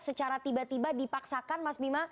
secara tiba tiba dipaksakan mas bima